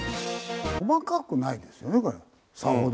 細かくないですよねこれさほど。